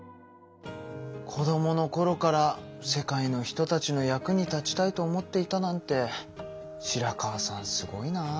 子どものころから世界の人たちの役に立ちたいと思っていたなんて白川さんすごいな。